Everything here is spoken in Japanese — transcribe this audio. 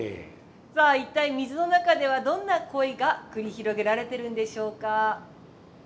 さあ一体水の中ではどんな恋が繰り広げられてるんでしょうか？